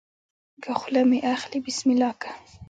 که خوله مې اخلې بسم الله که